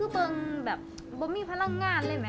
บอมมี่พลังงานเลยไหม